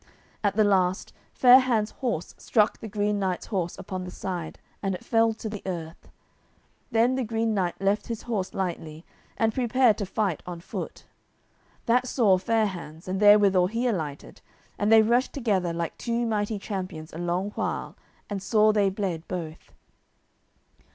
At the last Fair hands' horse struck the Green Knight's horse upon the side, and it fell to the earth. Then the Green Knight left his horse lightly, and prepared to fight on foot. That saw Fair hands, and therewithal he alighted, and they rushed together like two mighty champions a long while, and sore they bled both.